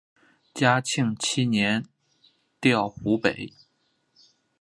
嘉庆七年调湖北。